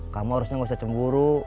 kamu harusnya gak usah cemburu